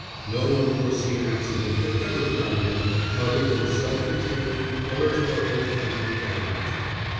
No unforeseen accident had ever found him other than self contained, oratorical, and didactic.